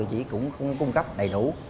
chị cũng không cung cấp đầy đủ